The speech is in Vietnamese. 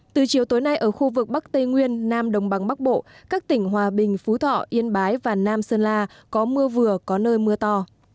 từ chiều tối nay ở khu vực bắc tây nguyên nam đồng bằng bắc bộ các tỉnh hòa bình phú thọ yên bái và nam sơn la có mưa vừa có nơi mưa to